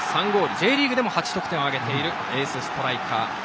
Ｊリーグでも８得点を挙げているエースストライカー。